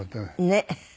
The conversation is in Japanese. ねっ。